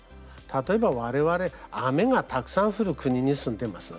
例えば、われわれ雨がたくさん降る国に住んでます。